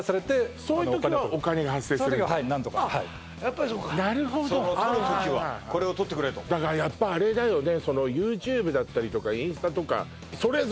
やっぱりそうかなるほどはいはいはいこれを撮ってくれとだからやっぱあれだよね